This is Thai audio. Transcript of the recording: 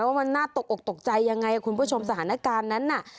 ว่ามันน่าตกอกตกใจยังไงคุณผู้ชมสถานการณ์นั้นน่ะ